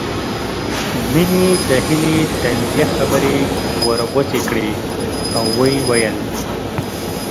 مينې د هيلې طنزيه خبرې ورغوڅې کړې او ويې ويل